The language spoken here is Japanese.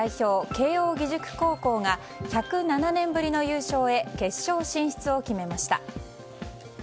・慶応義塾高校が１０７年ぶりの優勝へ決勝進出を決めました。